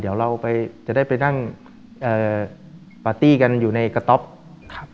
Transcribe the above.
เดี๋ยวเราไปจะได้ไปนั่งเอ่อปาร์ตี้กันอยู่ในกระต๊อปครับ